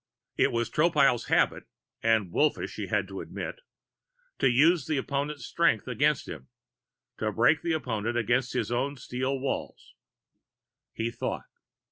It was Tropile's habit (and Wolfish, he had to admit) to use the opponent's strength against him, to break the opponent against his own steel walls. He thought.